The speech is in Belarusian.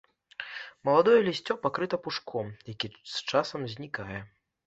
Маладое лісце пакрыта пушком, які з часам знікае.